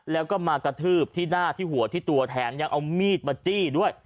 แล้วก็มากระทืบที่หน้าที่หัวที่ตัวแถมยังเอามีดมาจี้ด้วย